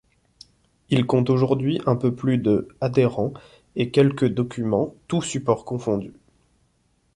Il compte aujourd'hui un peu plus de adhérents et quelque documents tous supports confondus.